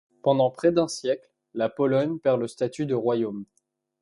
Pendant près d'un siècle, la Pologne perd le statut de royaume.